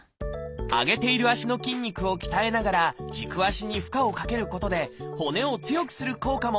上げている足の筋肉を鍛えながら軸足に負荷をかけることで骨を強くする効果も。